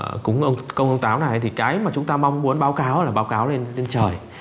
trong cái tục cúng ông công ông táo này thì cái mà chúng ta mong muốn báo cáo là báo cáo lên trời